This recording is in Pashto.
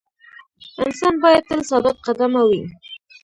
انسان باید تل ثابت قدمه وي.